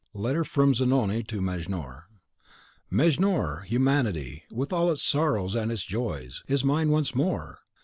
Letter from Zanoni to Mejnour. Mejnour, Humanity, with all its sorrows and its joys, is mine once more.